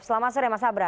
selamat sore mas abra